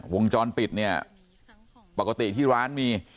วงจรปิดเนี่ยปกติที่ร้านมี